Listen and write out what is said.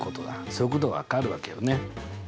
そういうことが分かるわけよね。